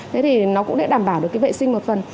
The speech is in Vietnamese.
thế thì nó cũng để đảm bảo được vệ sinh một phần